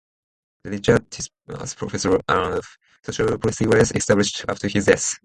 The Richard Titmuss Professor of Social Policy was established after his death.